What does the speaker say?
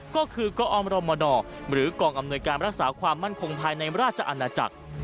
ก็คือกอมรมนหรือกองอำนวยการรักษาความมั่นคงภายในราชอาณาจักร